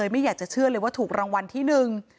ไม่อยากจะเชื่อเลยว่าถูกรางวัลที่หนึ่ง